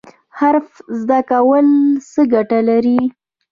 حرفه زده کول څه ګټه لري؟